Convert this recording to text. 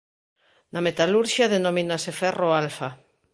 Na metalurxia denomínase ferro alfa.